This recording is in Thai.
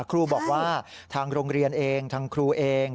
ครูบอกว่าทางโรงเรียนเองทางครูเอง